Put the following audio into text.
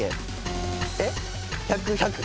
えっ⁉１００１００。